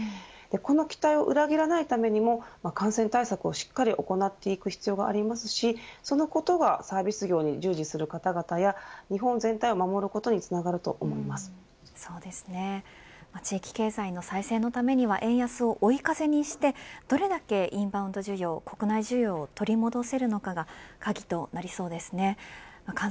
この期待を裏切らないためにも感染対策をしっかりと行う必要がありますしそのことがサービス業に従事する方々や日本全体を守ることに地域経済の再生のためには円安を追い風にしてどれだけインバウンド需要国内需要を取り戻せるかが鍵になりそうですね。